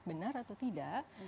benar atau tidak